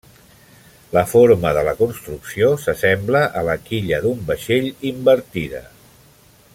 La forma de la construcció s'assembla a la quilla d'un vaixell invertida.